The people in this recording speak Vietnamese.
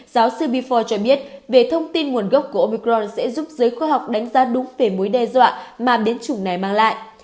giáo sư bi four cho biết về thông tin nguồn gốc của omicron sẽ giúp giới khoa học đánh giá đúng về mối đe dọa mà biến chủng này mang lại